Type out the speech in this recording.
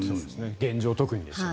現状、特にですよね。